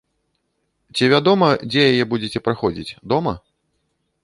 Ці вядома, дзе яе будзеце праходзіць, дома?